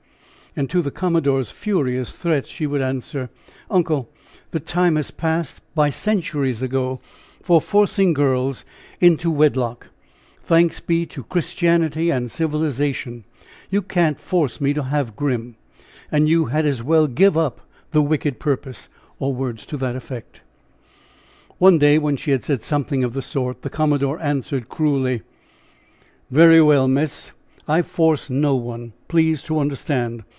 And to the commodore's furious threats she would answer: "Uncle, the time has passed by centuries ago for forcing girls into wedlock, thanks be to Christianity and civilization. You can't force me to have Grim, and you had as well give up the wicked purpose," or words to that effect. One day when she had said something of the sort, the commodore answered, cruelly: "Very well, miss! I force no one, please to understand!